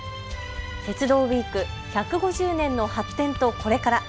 鉄道ウイーク１５０年の発展とこれから。